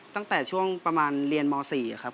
ตั้งแต่ช่วงประมาณเรียนม๔ครับ